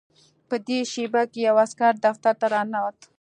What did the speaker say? په دې شېبه کې یو عسکر دفتر ته راننوت